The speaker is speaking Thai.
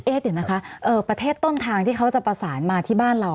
เดี๋ยวนะคะประเทศต้นทางที่เขาจะประสานมาที่บ้านเรา